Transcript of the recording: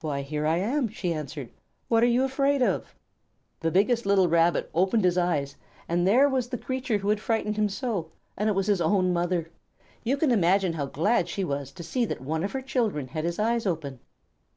"Why, here I am," she answered. "What are you afraid of?" The biggest little Rabbit opened his eyes, and there was the creature who had frightened him so, and it was his own mother! You can imagine how glad she was to see that one of her children had his eyes open.